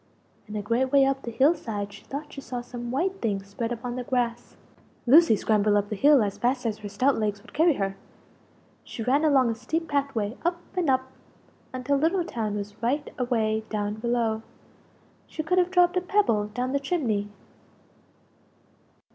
And a great way up the hill side she thought she saw some white things spread upon the grass. Lucie scrambled up the hill as fast as her stout legs would carry her; she ran along a steep path way up and up until Little town was right away down below she could have dropped a pebble down the chimney!